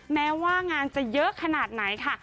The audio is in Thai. แม้ว่างานจะเยอะขนาดไหนค่ะ